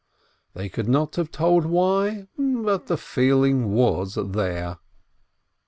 They could not have told why, but the feeling was there.